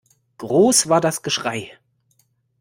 Groß war das Geschrei.